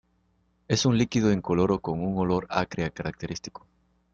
Es un líquido incoloro con un olor acre característico.